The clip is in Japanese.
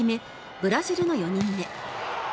ブラジルの４人目。